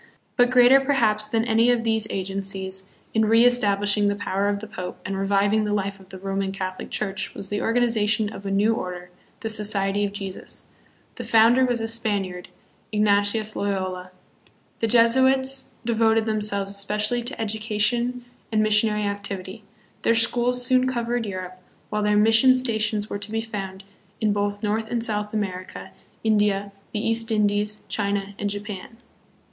But greater, perhaps, than any of these agencies hi re SPANISH SOLDIER AND MISSIONARY. 123 establishing the power of the Pope and reviving the life of the Roman Catholic Church was the organization of a new order, the "Society of Jesus." The founder was a Span iard, Ignatius Loyola. The Jesuits devoted themselves especially to education and missionary activity. Their schools soon covered Europe, while their mission stations were to be found in both North and South America, India, the East Indies, China, and Japan.